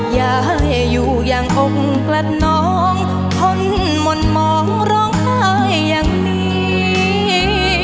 อย่าให้อยู่อย่างองค์กระน้องทนมนต์มองร้องไห้อย่างนี้